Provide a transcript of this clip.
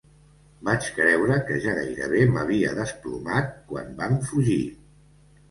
Vaig creure que ja gairebé m'havia desplomat quan vam fugir.